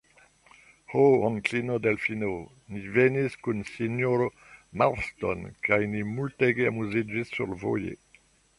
Ho, onklino Delfino, ni venis kun sinjoro Marston kaj ni multege amuziĝis survoje!